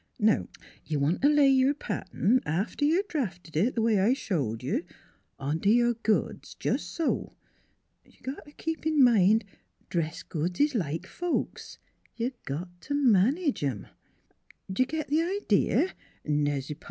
... Now you want t' lay your pattern after you've drafted it, the way I showed you ont' your goods, jes' so. You got t' keep in mind dress goods is like folks ; you got t' manage 'em. D'ye git the idee naze pa?